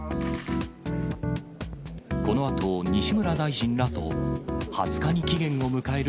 このあと西村大臣らと、２０日に期限を迎える